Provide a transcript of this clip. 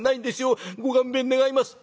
ご勘弁願います」。